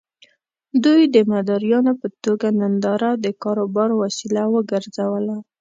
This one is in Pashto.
دوی د مداريانو په توګه ننداره د کاروبار وسيله وګرځوله.